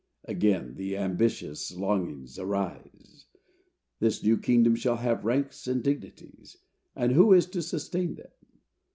Again the ambitious longings arise. This new kingdom shall have ranks and dignities. And who is to sustain them?